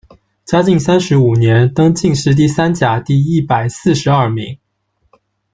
嘉靖三十五年，登进士第三甲第一百四十二名。